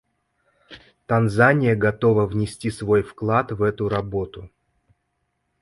Танзания готова внести свой вклад в эту работу.